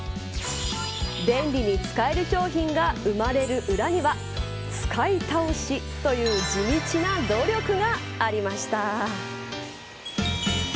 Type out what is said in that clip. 便利に使える商品が生まれる裏には使い倒しという地道な努力がありました。